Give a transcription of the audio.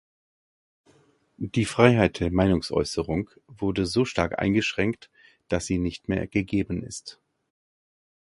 Die Freiheit der Meinungsäußerung wurde so stark eingeschränkt, dass sie nicht mehr gegeben ist.